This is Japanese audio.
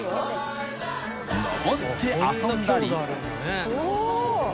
［登って遊んだり］